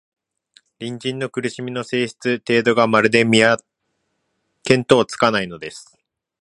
隣人の苦しみの性質、程度が、まるで見当つかないのです